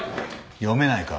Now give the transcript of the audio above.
読めないか？